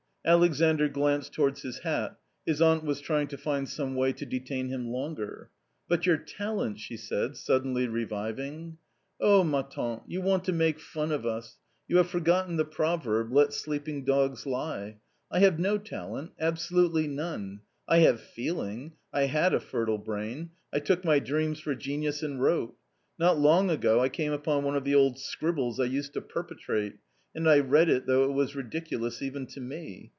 Alexandr glanced towards his hat, his aunt was trying to find some way to detain him longer. " But your talent !" she said, suddenly reviving. " Oh, ma tantey you want to make fun of us ! You have forgotten the proverb, ' Let sleeping dogs lie.' I have no talent, absolutely none. I have feeling, I had a fertile brain; I took my dreams for genius and wrote. Not long ago I came upon one of the old scribbles I used to perpetrate, and I reaci it though it was ridiculous even to me.